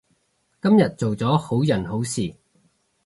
今日做咗好人好事